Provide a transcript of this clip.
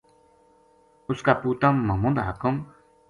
اس کا پُوتاں محمد حاکم